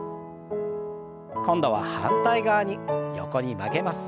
今度は反対側に横に曲げます。